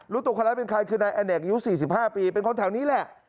ตัวคนร้ายเป็นใครคือนายอเนกอายุ๔๕ปีเป็นคนแถวนี้แหละ